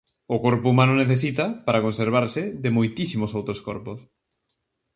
O corpo humano necesita, para conservarse, de moitísimos outros corpos.